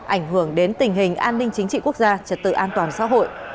ảnh hưởng đến tình hình an ninh chính trị quốc gia trật tự an toàn xã hội